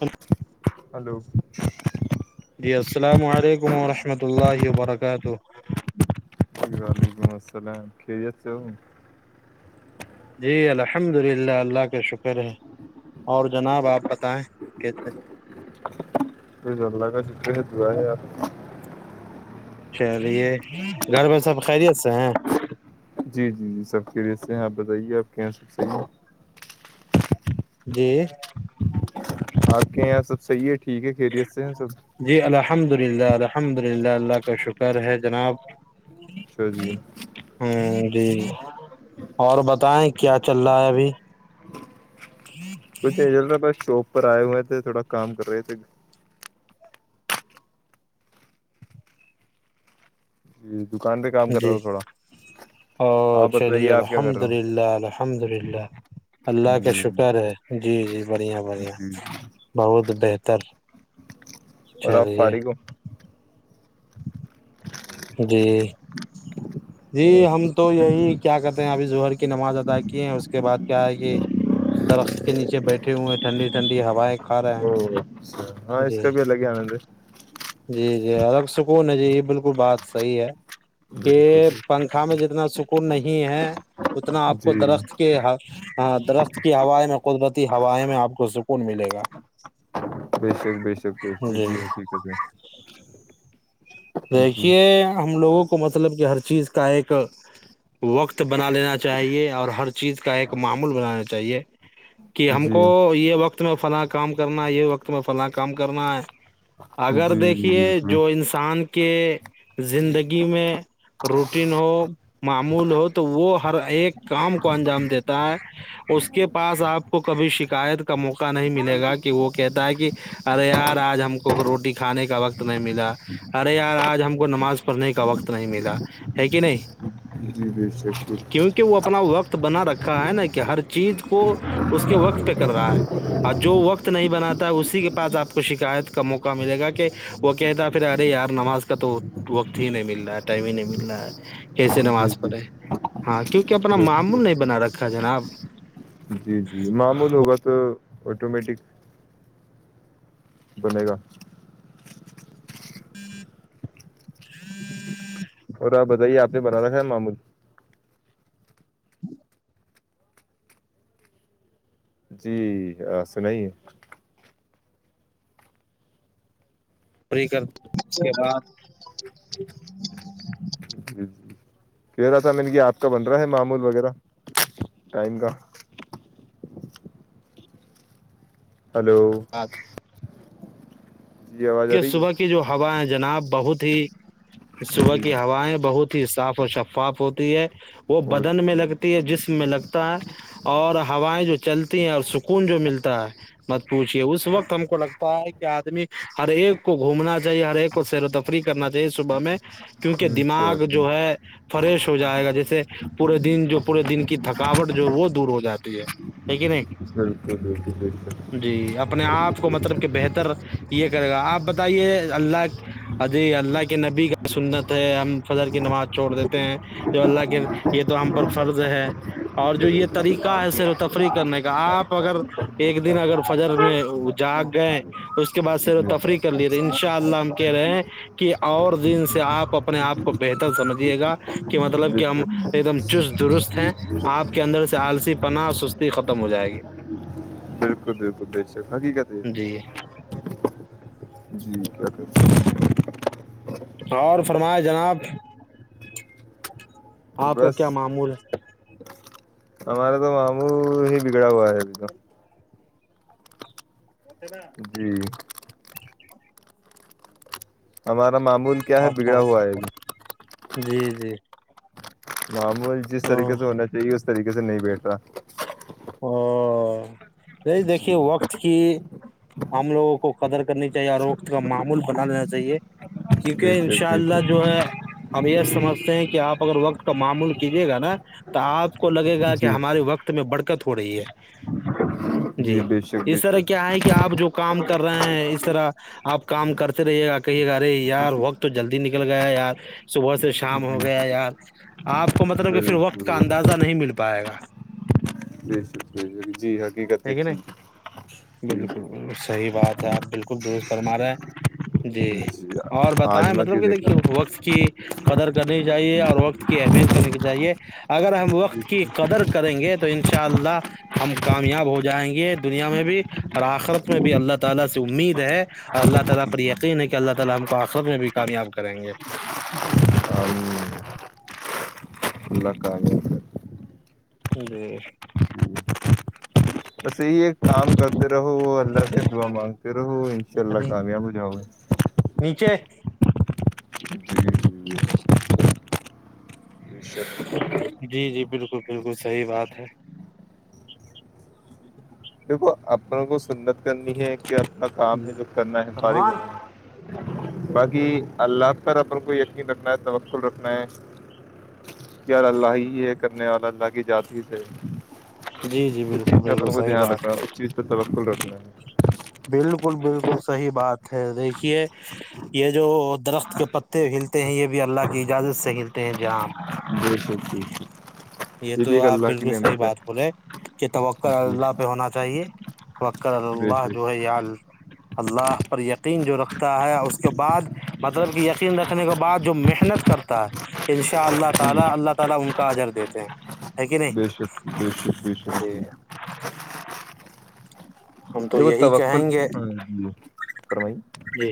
Hello hello جی السلام علیکم ورحمۃ اللہ وبرکاتہ جی وعلیکم السلام یک ہ جی الحمد للہ اللہ کا شکر ہے اور جناب آپ بتائیں کیسے پ گ اللہ کاشا یار چلیے گھر میں سب خیریت سے ہیں جی جی جی سب کے لیے [unintelligible] ہاںپ بتائیے آپ کے یہاں سے چیے [unintelligible] جی [unintelligible] آپ کے یہاں سب صحیح ہے ٹھیک ہے کھیری ا سے سب [unintelligible] مدلہ الحمد للہ اللہ کا شکر ہے جناب [unintelligible] اچھا جی ہاں [unintelligible] جی اور بتائیں کیا چل رہا ہے ابھی [unintelligible] کچھا بس شاپ [unintelligible] اپر آئے ہوئے تھ تھوڑا کام کر رہے تھے [unintelligible] ج [unintelligible] جی او آپ بتائیے چلیے آپ کیا کر الحمد رہے ہو للہ ال الحمد للہ [unintelligible] اللہ کا جی شکر ہے [unintelligible] جی جی [unintelligible] بڑھیا بڑھیا جی جی بہت [unintelligible] تو بہتر [unintelligible] اور آپ چلیے فارق ہو [unintelligible] جی [unintelligible] جی ہم اچھا، تو یہی کیا کہتے ہیں ابھی ہر کی نماز ادا کی ہے اس کے بعد کیا ہے کہ درخت کے نیچے بیٹھے ہوئے ہیں ٹھنڈی ٹھنڈی ہوائیں کھا رہے او ہیں اچھا ہاں اس جی کا بھی الگ ہی آنند جی جی الگ سکون ہے جی یہ بالکل بات صحیح ہے کہ بالکل [unintelligible] بالکل، پنکھا میں جتنا سکون نہیں ہے [unintelligible] اتنا آپ کو جی درخت کے درخت [unintelligible] کی ہوائ میں قدرتی ہوائ میں آپ کو سکون ملے گا بی شک بی شک بی شک جی حقیقت ہے [unintelligible] جی دیکھیے ہم لوگوں کو [unintelligible] کو مطلب کہ ہر چیز کا ایک وقت بنا لینا چاہیے اور ہر چیز کا ایک معمول بنانا چاہیے [unintelligible] کہ ہم جی کو یہ وقت میں فلا کام کرنا ہے یہ وقت میں فلاں کام کرنا ہے [unintelligible] اگر جی جی دیکھیے بالکل جو انسان کہ زندگی میں روٹین ہو معمول ہو تو وہ ہر ایک کام کو انجام دیتا ہے اس کے پاس آپ کو کبھی شکایت کا موقع نہیں ملے گا کہ وہ کہتا ہے کہ ارے یار آج ہم کو روٹی کھانے کا وقت نہیں ملا [unintelligible] ارے یار آج ہم کو نماز پڑھنے کا وقت نہیں ملا ہے کہ نہیں [unintelligible] کیونکہ وہ اپنا [unintelligible] وقت بنا رکھا ہے نا کہ ہر چیز کو اس کے وقت پہ کر رہا ہے اور جو وقت نہیں بناتا ہے اسی کے پاس آپ کو شکایت کا موقع ملے گا کہ وہ کہتا پھر ارے یار [unintelligible] نماز کا تو وقت ہی نہیں مل رہا ہے ٹائم ہی نہیں مل رہا ہے کیسے جی نماز جی پڑھے ہاں کیونکہ اپنا بالکل معمول نہیں بنا رکھا جناب [unintelligible] جی جی معمول ہوگا تو آٹومیٹک بنے گا ہ ہ اور آپ بتائیے آپ نے بنا رکھا ہے معمول جی سنا ہے پوری کر کے بعد جی جی کہہ رہا تھا میں نے کہ آپ کا بن رہا ہے معمول وغیرہ ٹائم کا ہلو۔ جی آواز آ کیہ رہی صبح کی جو ہوا ہے جناب بہت ہی ہے صبح کی جی ہوائیں بہت ہی صاف اور شفاف ہوتی ہے وہ بدن میں لگتی ہے جسم میں لگتا ہے اور ہوائیں جو چلتی ہیں اور سکون جو ملتا ہے مت پوچھیے اس وقت ہم کو لگتا ہے کہ آدمی ہر ایک کو گھومنا چاہیے ہر ایک کو سیر و تفریح کرنا چاہیے صبح میں کیونکہ اچھا دماغ جو ہے فریش ہو جائے گا جیسے پورے دن جو پورے دن کی تھکاوٹ جو ہے وہ دور ہو جاتی ہے ٹھیک ہے نہیں بالکل بالکل بے شک جی اب اپنے آپ کو مطلب کہ بہتر یہ کرے گا آپ بتائیے اللہ اجی اللہ کے نبی کا سنت ہے ہم فجر کی نماز چھوڑ دیتے ہیں جو اللہ کے یہ تو ہم پر فرض ہے اور جو یہ طریقہ ہے سیر و تفریح کرنے کا آپ اگر ایک دن اگر فجر میں جاگ گئے اس اس کے بعد سیر و تفریح کر لیے ان شاء اللہ ہم کہہ رہے ہیں کہ اور دن سے آپ اپنے آپ کو بہتر سمجھیے گا کہ مطلب بے کہ ہم شک ایک دم چست درست ہیں آپ کے اندر سے آالسی پناہ سستی ختم ہو جائے گی جیر جی جی کیا کر سکتے اور فرما جناب ہیں۔ آپ کا بس کیا معمول ہے ہمارے تو ماموں ہی بگڑا ہوا ہے ابھی تو متے نا جی ہمارا معمول کیا ہے آپ کو بگڑا ہوا ہے ابھی جی جی معمول جس او طریقے سے ہونا چاہیے طریقے سے نہیں بیٹھتاا او نہیں دیکھیے جی وقت کی ہم لوگوں کو قدر کرنی چاہیے اور وقت کا معمول بنا لینا چاہیے ٹھیک بے ہے ان شک شاء بے اللہ شک جو ہے ہم یہ سمجھتے ہیں کہ آپ اگر وقت کا معمول کیجیے گا نا تو آپ کو لگے گا کہ جی ہمارے وقت میں بڑھتے دقت ہو رہی ہے جی بے شک اس بے طرح شک کیا ہے کہ آپ جو کام کر رہے ہیں اس طرح آپ کام کرتے رہیے گا کہیے گا ارے یار وقت جلدی نکل گیا یار صبح سے شام ہو جی گیا یار آپ کو مطلب کہ پھر وقت کا بالکل ان اندازہ نہیں مل پائے گا بے جی حقیقت ہے کہ ج نہیں ج ک درست فرما رہا ہے جی اور بتائیں آج میں مطلب کیوں کہ دیکھیے دیکھا وقت کی قدر کرنی چاہیے اور وقت کی اہمیت کرنی چاہیے اگر ہم وقت کی قدر کریں گے تو ان کے ان شاء اللہ ہم کامیاب ہو جائیں گے دنیا میں بھی اور آخرت میں بھی اللہ تعالی سے امید ہے اور اللہ تعالی پر یقین ہے کہ اللہ تعالی ہم کو آخرت میں بھی کامیاب کریں گے اللہ کامیاب کر ای اسے ہی ایک کام کرتے رہو اللہ سے دعا مانگتے رہو ان شاء اللہ یعنی کامیاب ہو جاؤ گے نیچے جی جی بے شک [unintelligible] جی جی بالکل بالکل صحیح بات ہے دیکھو اپنے کو سنت کرنی ہے کہ اپنا کام ہے جی جو کرنا ہے فارغ سلمان گن ہے باقی اللہ پر اپن کو یقین رکھنا ہے توقل رکھنا ہے کیاار اللہ ہی یہ کرنے اور اللہ کی جذات ہی سے جی جی بالکل بالکل صح ہ اس چیز پہ توقل رکھنا ہے بالکل بالکل صحیح بات ہے دیکھیے یہ جو درخت کے پتے ہلتے ہیں یہ بھی اللہ کی اجازت سے ہلتے ہیں جہاں آپ بالکر جٹی ج [inaudible] یہ تو آپ بالکل صحیح بات بولے کہ توقع جی اللہ پہ ہونا چاہیے وکر بے اللہ شک جو ہے یال اللہ پر یقین جو رکھتا ہے اس کے بعد مطلب کہ یقین رکھنے کے بعد جو محنت کرتا ہے ان شاء اللہ تعالی جی اللہ تعالی ان کا حجر دیتا [unintelligible] بے شک بے شک بے شک ج ج [inaudible] جت و ک ہاں ج [inaudible] فرمائی جی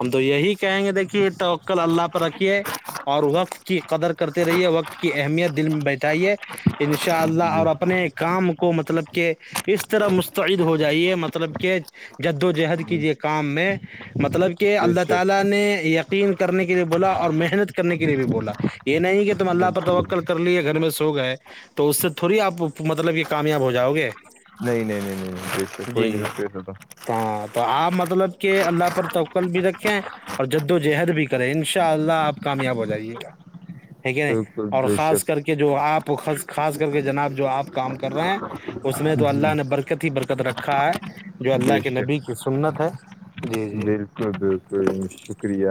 ہم تو یہی کہیں گے دیکھیے یہ توقل اللہ پ رکھیے اور وقت کی قدر کرتے رہیے وقت کی اہمیت دل میں بیٹھائیے شزہ جی اور اپنے کام [unintelligible] کو مطلب کہ اس طرح مستعد ہو جائیے مطلب کہ جد وجہد جی کییے کام میں مطلب کہ بے اللہ شک تعالی نے ین کرنے کے لیے بولا اور محنت کرنے کے لیے بھی بولا یہ نہیں توم اللہ پر بالکل توقل کر لے گا گھر میں سو گئے تو اس سے تھوڑی آپ مطلب یہ کامیاب ہو جاؤ گے نہیں نہیں نہیں نہیں نہیںسے کوئی نہیں جی سکتے ایسے تو ہاں تو آپ مطلب کہ اللہ پر توقل بھی رکھیں اور جد و جہد بھی کریں ان شاء اللہ آپ کامیاب ہو جائیے گا یک ہے ن بالکل اور بے خاص شک کر کے جو آپ تو خاص کر کے جناب جو آپ کام کر رہے ہیں اس میں تو اللہ نے برکت ہی برکت رکھا ہے جو بے اللہ کے شک نبی کی سنت ہے جی جی بالکل بالکل شکریہ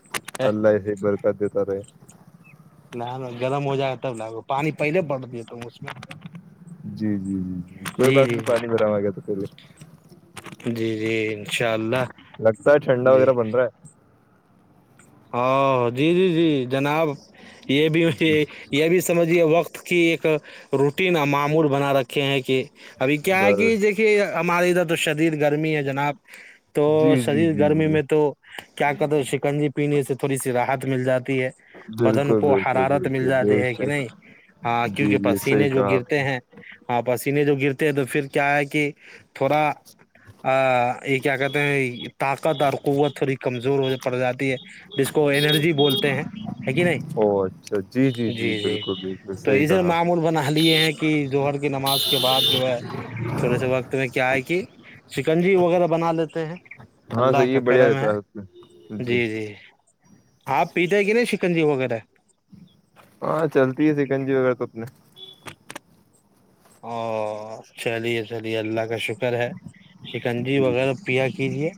[inaudible] اہ، اللہ حس برک دی تار [unintelligible] نہ ن گرم ہو جائے گا تب لاو پانی پہلے بڑ دے ت اس میں جی جی جی جی کوئی جی بات جی نہیں جی پانی بروا گیا تو پ جی جی انشاء اللہ لگت ہے چھڈا وغیرہ بنرا ا جی جی جی جناب یہ بھی ہے یہ بھی سمجھیے وقت کی ایک روٹین معمور بنا رکھے ہیں کہ ابھی کیا ہے کہ بس دیکھیے ہمارے ادھر تو شدید گرمی ہے جناب تو جی جی شدید جی گرمی جی میں تو کیا کہتے شکنجی پینے سے تھوڑی سی رحت مل جاتی ہے بدن بالکل کو بالکل حرارت مل بالکل جاتی بے ہے کہ شک نہیں ہاں جی کیونکہ جی صحیح پسینے جو کہا آپ۔ گرتے ہیں ہاں پسینے جو گرتے ہیں تو پھر کیا ہے کہ تھوڑا یہ کیا کہتے ہیں طاقت اور قوت تھوڑی کمزور ہو پڑ جاتی ہے جس کو اینرجی بولتے ہیں ہے کہ نہیں او اچھا جی جی جی بالکل بالکل صحیح کہا آپ نے جوہر کی نماز کے بعد جو ہے تھوڑے سے وقت میں کیا ہے کہ شکنجی وغیرہ بنا لیتے ہیں ہاں اللہ صحیح کا ہے بڑھیا کرم رہتا ہے اس میں جی آپ پیتے کہ نا چکن جی وغیرہ ہاں چلتی ہے سکن جی وغیرہ تو انے او چلیے چلیے اللہ کا شکر ہے شکنجی وغیرہ پیا کیجے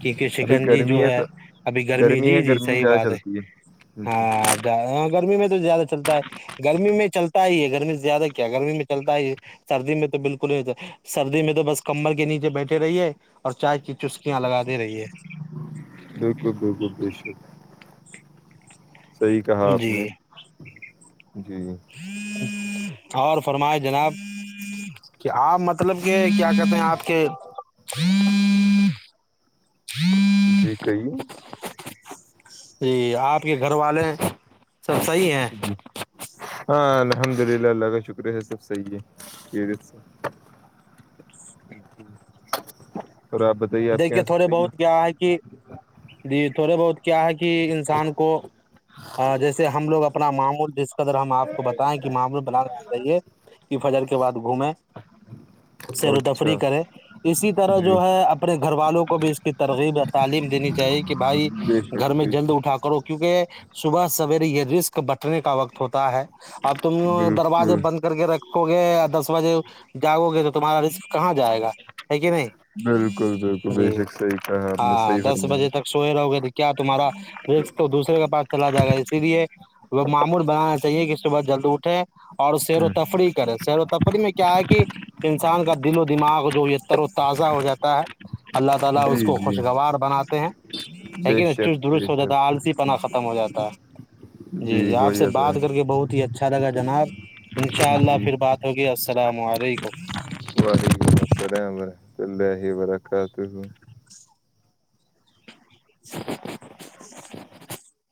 کیونکہ ابھی شکن جی گرمی جو تو ہے ابھی گرمی ہے جی جی گرمی میں صحیح زیادہ بات ہے چلتی ہے جی ہاں گرمی میں زیادہ چلتا ہے گرمی میں چلتا ہی ہے گرمی زیادہ کیا گرمی میں چلتا ہے سردی میں تو بالکل ہی سردی میں تو بس کمبل کے نیچے بیٹھے رہی ہے اور چائے کی چسکیاں لگا دے رہی ہے بالکل بالکل بے شکرہ صحی کہا آپ نے جی جی اور فرمائے جناب کہ آپ مطلب کہ کیا کہتے ہیں آپ کے جی کہیے جی آپ کے گھر والے سب صحیح ہیں جی ہاں الحمد للہ اللہ کا شکر ہے سب صحیح ہے اور آپ بتائیے آپ کے دیکھیے یہاں سب تھوڑے صحیح بہت کیا کہ ہے جی تھوڑے بہت کیا ہے کہ انسان کو جیسے ہم لوگ اپنا معمول جس قدر ہم آپ کو بتائیں کہ معمول بناانا چاہیے کہ فجر کے بعد گھومیں ہے سیر و تفری اچھا کریں اسی طرح جی جو ہے اب گھر والوں کو بھی اس کی ترغیب یا تعلیم دینی چاہیے کہ بھائی بے گھر شک میں بے جلد شک اٹھا کرو کیونکہ صبح سویرے یہ رسک بٹنے کا وقت ہوتا ہے اب تم دروازے بالکل بند کر کے رکھو گے یا دس بجے جاگو گے تو تمہارا رسک کہاں جائے گا ہے کہ نہیں کر د [unintelligible] جی ہاں دس بجے تک سوئے رہو گئے کیا تمہارا ر دوسرے کے پاس چلا جائے گا اسی لیے وہ معمول بنانا چاہیے کہ صبح جلد اٹھے اور سیر و تفری کرے سیر و تفری میں کیا ہے کہ انسان کا دل و دماغ جو یہ تر و تازہ ہو جاتا ہے اللہ تعالی اس جی کو جی خوشگوار بناتے ہیں بے لیکن شک چست بے درست ہو جاتا ہے شک آلسی پن ختم ہو جاتا ہے جی جی آپ سے ہویا تو بات ہے کر کے بہت ہی اچھا لگا جناب انشاء اللہ جی پھر بات ہوگی [unintelligible] کر رہےار چل رہے ہی ب کاتے ہ [unintelligible] [unintelligible]